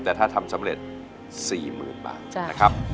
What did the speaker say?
แต่ถ้าทำสำเร็จ๔๐๐๐บาทนะครับ